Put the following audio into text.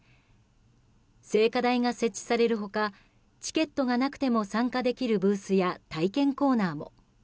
聖火台が設置されるほかチケットがなくても参加できるブースや体験コーナーも。